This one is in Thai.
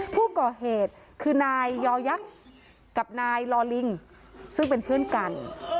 ผู้ก่อเหตุคือนายยอยักษ์กับนายลอลิงซึ่งเป็นเพื่อนกัน